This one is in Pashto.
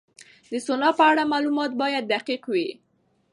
د سونا په اړه معلومات باید دقیق وي.